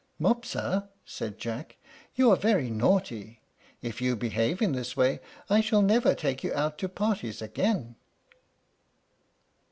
"Mopsa," said Jack, "you are very naughty; if you behave in this way, I shall never take you out to parties again."